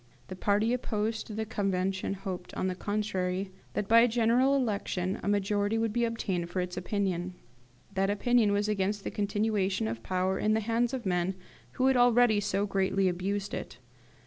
The party opposed to the Convention hoped, on the contrary, that, by a general election, a majority would be obtained for its opinion. That opinion was against the continuation of power in the hands of men who had already so greatly abused it.